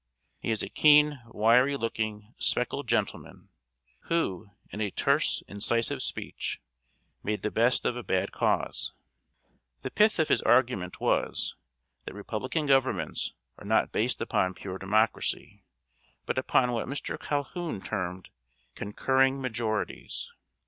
He is a keen, wiry looking, spectacled gentleman, who, in a terse, incisive speech, made the best of a bad cause. The pith of his argument was, that Republican Governments are not based upon pure Democracy, but upon what Mr. Calhoun termed "concurring majorities."